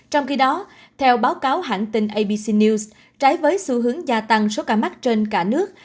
trong khi đó theo báo cáo hãng tin abc news trái với xu hướng gia tăng số ca mắc trên cả nước